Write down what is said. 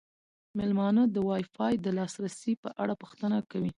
میلمانه د وای فای د لاسرسي په اړه پوښتنه کوي.